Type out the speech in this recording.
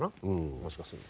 もしかすると。